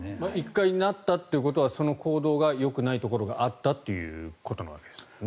１回なったということはその行動がよくないところがあったということですもんね。